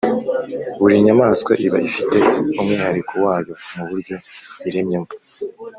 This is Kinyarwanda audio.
buri nyamaswa iba ifite umwihariko wayo muburyo iremyemo